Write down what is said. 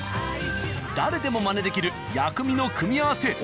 誰でも真似できる薬味の組み合わせ。